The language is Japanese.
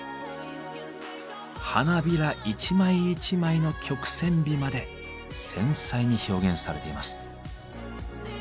花びら一枚一枚の曲線美まで繊細に表現されています。